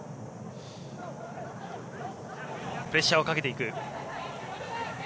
プレッシャーをかけていく。